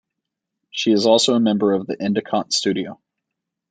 She is also a member of the Endicott Studio.